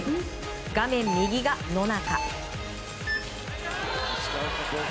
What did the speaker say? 画面右が野中。